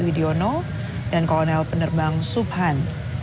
widiono dan kolonel penerbang subhan